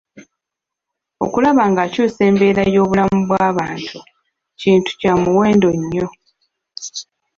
Okulaba ng'akyusa embeera y'obulamu bwa bantu kintu kyamuwendo nnyo.